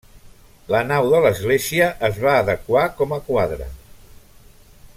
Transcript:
La nau de l'església es va adequar com a quadra.